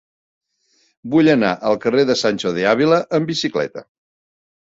Vull anar al carrer de Sancho de Ávila amb bicicleta.